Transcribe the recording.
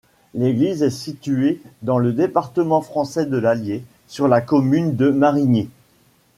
L'église est située dans le département français de l'Allier, sur la commune de Marigny.